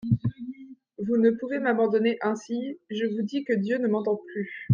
Vous ne pouvez m'abandonner ainsi … Je vous dis que Dieu ne m'entend plus.